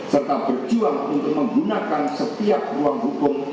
serta berjuang untuk menggunakan setiap ruang hukum